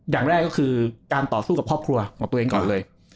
อย่างแรกก็คือการต่อสู้กับครอบครัวของตัวเองก่อนเลย